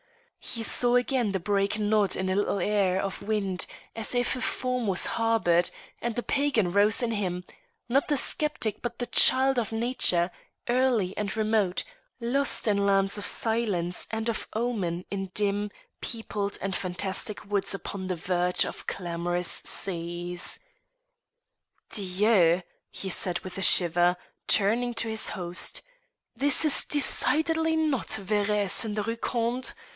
He saw again the brake nod in a little air of wind as if a form was harboured, and the pagan rose in him not the sceptic but the child of nature, early and remote, lost in lands of silence and of omen in dim peopled and fantastic woods upon the verge of clamorous seas. "Dieu!" said he with a shiver, turning to his host. "This is decidedly not Verrays in the Rue Conde.